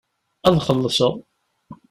Ad xellṣeɣ.